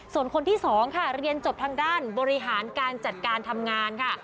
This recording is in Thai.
ส่วนคนที่๒ค่ะเรียนจบทางด้านบริหารการจัดการทำงานค่ะ